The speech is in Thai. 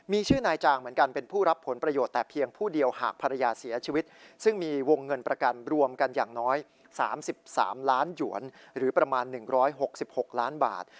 มีชื่อนายจางเหมือนกันเป็นผู้รับผลประโยชน์แต่เพียงผู้เดียวหากภรรยาเสียชีวิตซึ่งมีวงเงินประกันรวมกันอย่างน้อย๓๓ล้านหยวนหรือประมาณ๑๖๖ล้านบาท